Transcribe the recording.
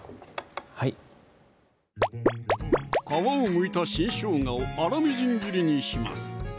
はい皮をむいた新しょうがを粗みじん切りにします